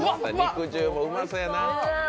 肉汁もうまそうやな。